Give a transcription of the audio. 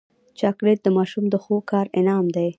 چاکلېټ د ماشوم د ښو کار انعام دی.